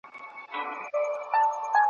خو ځول یې په قفس کي وزرونه ,